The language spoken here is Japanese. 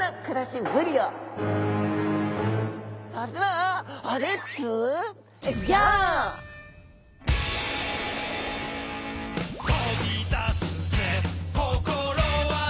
それでは「飛び出すぜ心はどこへ」